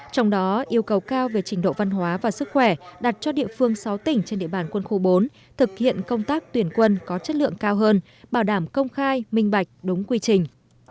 trong đó yêu cầu cao về trình độ văn hóa và sức khỏe đặt cho địa phương sáu tỉnh trên địa bàn quân khu bốn thực hiện công tác tuyển quân có chất lượng cao hơn bảo đảm công khai minh bạch đúng quy trình